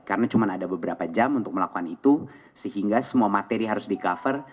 karena cuma ada beberapa jam untuk melakukan itu sehingga semua materi harus di cover